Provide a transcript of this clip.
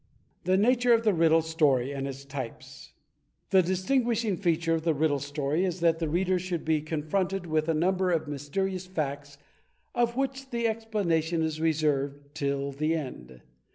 2. The Nature of the Riddle Story and its Types The distinguishing feature of the Riddle Story is that the reader should be confronted with a nimiber of mysterious facts of which the explanation is reserved till the end.